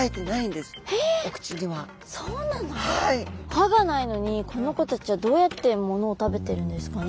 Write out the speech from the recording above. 歯がないのにこの子たちはどうやってものを食べてるんですかね？